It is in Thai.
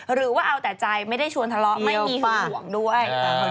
หรือว่าเอาแต่ใจไม่ได้ชวนทะเลาะไม่มีห่วงด้วย